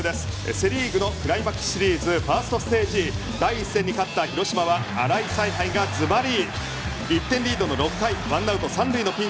セ・リーグのクライマックスシリーズファーストステージ第１戦に勝った広島は新井采配がズバリ。